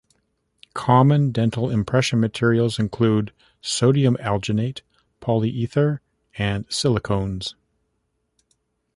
Common dental impression materials include sodium alginate, polyether, and silicones.